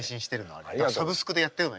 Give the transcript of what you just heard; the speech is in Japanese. サブスクでやってるの。